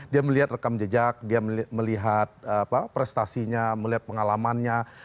dia melihat rekam jejak dia melihat prestasinya melihat pengalamannya